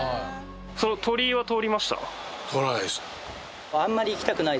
その鳥居は通りました？